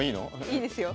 いいですよ。